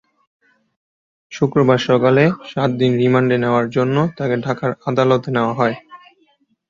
শুক্রবার সকালে সাত দিন রিমান্ডে নেওয়ার জন্য তাঁকে ঢাকার আদালতে নেওয়া হয়।